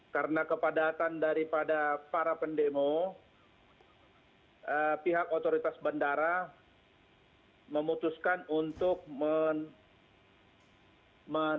karena kepadatan daripada para pendemo pihak otoritas bandara memutuskan untuk menutup